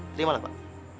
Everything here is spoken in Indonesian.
terima kasih pak